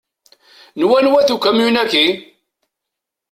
N wanwa-t ukamyun-aki?